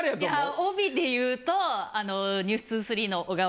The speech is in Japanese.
帯で言うと『ｎｅｗｓ２３』の。